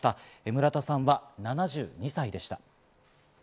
村田さんは７２歳でした。